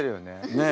ねえ。